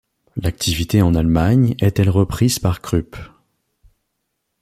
L'activité en Allemagne est elle reprise par Krupp.